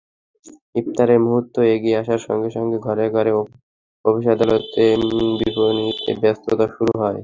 ইফতারের মুহূর্ত এগিয়ে আসার সঙ্গে সঙ্গে ঘরে ঘরে, অফিস-আদালতে, বিপণিবিতানে ব্যস্ততা শুরু হয়।